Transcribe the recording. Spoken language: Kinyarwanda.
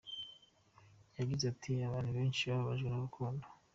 Yagize ati “Abantu benshi bababajwe n’urukundo.